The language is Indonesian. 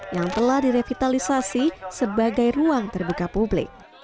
yang telah direvitalisasi sebagai ruang terbuka publik